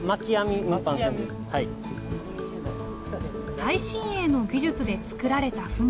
最新鋭の技術で造られた船。